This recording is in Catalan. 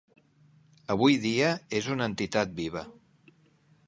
Avui dia és una entitat viva.